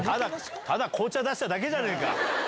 ⁉紅茶出しただけじゃねえか！